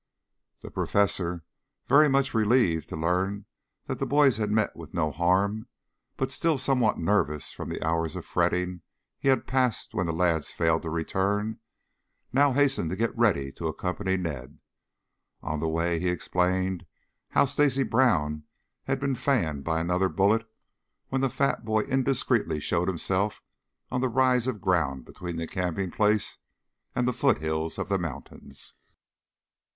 The professor, very much relieved to learn that the boys had met with no harm, but still somewhat nervous from the hours of fretting he had passed when the lads failed to return, now hastened to get ready to accompany Ned. On the way he explained bow Stacy Brown had been fanned by another bullet when the fat boy indiscreetly showed himself on the rise of ground between the camping place and the foothills of the mountains.